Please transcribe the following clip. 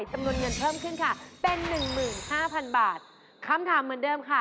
สะสมเป็นราคาสติ